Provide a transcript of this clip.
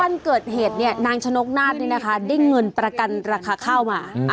วันเกิดเหตุเนี่ยนางชนกนาฏนี่นะคะได้เงินประกันราคาเข้ามา